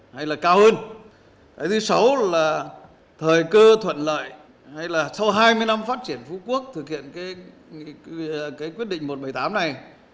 hay là cao hơn thứ sáu là thời cơ thuận lợi hay là sau hai mươi năm phát triển phú quốc thực hiện cái quyết định một trăm bảy mươi tám này